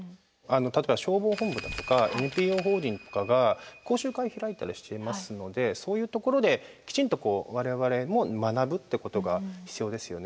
例えば消防本部だとかＮＰＯ法人とかが講習会開いたりしていますのでそういうところできちんと我々も学ぶってことが必要ですよね。